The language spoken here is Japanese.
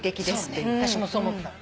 私もそう思った。